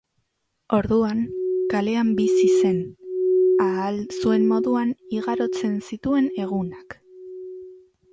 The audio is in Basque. Orduan kalean bizi zen, ahal zuen moduan igarotzen zituen egunak.